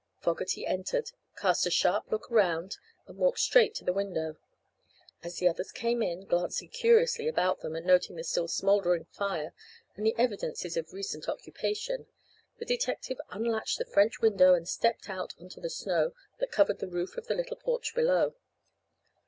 Fogerty entered, cast a sharp look around and walked straight to the window. As the others came in, glancing curiously about them and noting the still smouldering fire and the evidences of recent occupation, the detective unlatched the French window and stepped out into the snow that covered the roof of the little porch below.